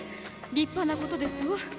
立派なことですわ。